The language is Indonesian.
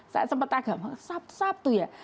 saya sempat agak sabtu sabtu ya